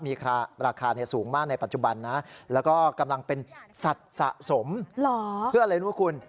มีราคาสูงมากในปัจจุบันนะแล้วก็กำลังเป็นสัตว์สะสมเพื่ออะไรรู้ไหมคุณ